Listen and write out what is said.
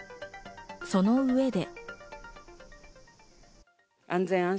その上で。